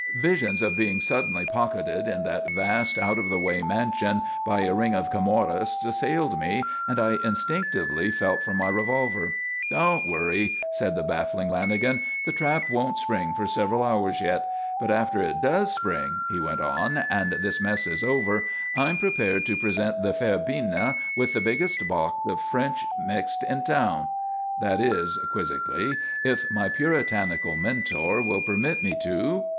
Visions of being suddenly pocketed in that vast, out of the way mansion by a ring of Camorrists, assailed me, and I instinctively felt for my revolver. "Don't worry," said the baffling Lanagan. "The trap won't spring for several hours yet. But after it does spring," he went on, "and this mess is over, I'm prepared to present the fair Bina with the biggest box of French mixed in town. That is," quizzically, "if my puritanical Mentor will permit me to?